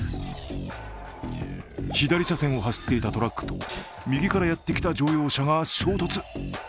左車線を走っていたトラックと右からやってきた乗用車が衝突。